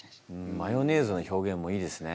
マヨネーズの表現もいいですね。